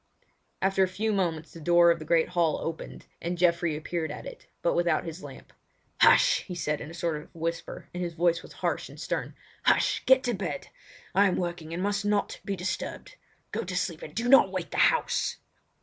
After a few moments the door of the great hall opened, and Geoffrey appeared at it, but without his lamp. "Hush!" he said, in a sort of whisper, and his voice was harsh and stern. "Hush! Get to bed! I am working, and must not be disturbed. Go to sleep, and do not wake the house!"